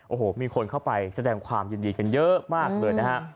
โอ้โหมีคนเข้าไปแสดงความยินดีกันเยอะมากเลยนะฮะ